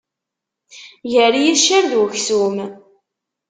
Gar yiccer d uksum.